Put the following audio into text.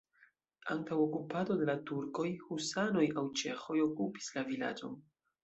Antaŭ okupado de la turkoj husanoj aŭ ĉeĥoj okupis la vilaĝon.